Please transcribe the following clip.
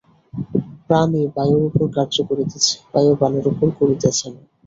প্রাণই বায়ুর উপর কার্য করিতেছে, বায়ু প্রাণের উপর করিতেছে না।